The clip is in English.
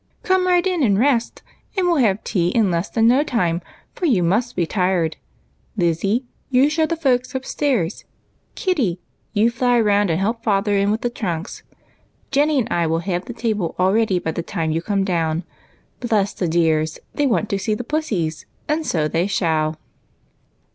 Come right in and rest, and we'll have tea in less than no time, for you must be tired. Lizzie, you show the folks upstairs; Kitty, you fly round and help father in with the trunks ; and Jenny and I will have the table all ready by the time you come down. Bless the dears, they want to go see the pussies, and so they shall